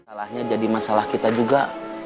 salahnya jadi masalah kita juga